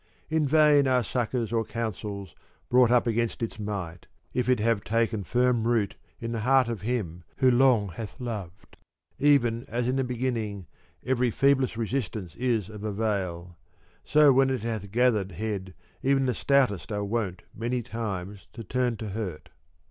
In vain are succours or counsels brought up against its might, if it have taken firm root in the heart of him who long hath loved. Even as in the beginning every feeblest resistance is of avail, so when it hath gathered head even the stoutest are wont many times to turn to hurt.